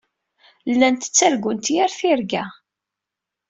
Llant ttargunt yir tirga.